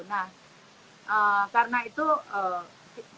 nah karena itu kita lagi